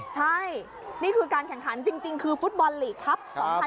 ใช่นี่คือการแข่งขันจริงคือฟุตบอลลีกครับ